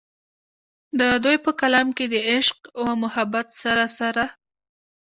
د دوي پۀ کلام کښې د عشق و محبت سره سره